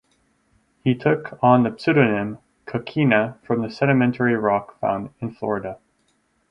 He took on the pseudonym Coquina from the sedimentary rock found in Florida.